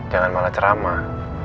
jangan malah ceramah